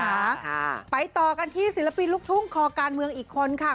ค่ะไปต่อกันที่ศิลปินลูกทุ่งคอการเมืองอีกคนค่ะ